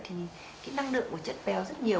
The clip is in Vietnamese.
thì cái năng lượng của chất béo rất nhiều